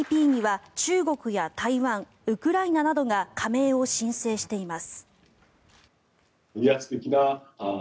ＴＰＰには中国や台湾、ウクライナなどが加盟を申請しています。